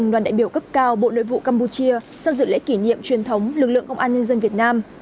đoàn đại biểu cấp cao bộ nội vụ campuchia sang dự lễ kỷ niệm truyền thống lực lượng công an nhân dân việt nam